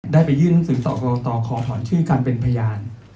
ได้ไปยื่นหนังสือต่อกรกตขอถอนชื่อการเป็นพยาน